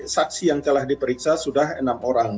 saksi yang telah diperiksa sudah enam orang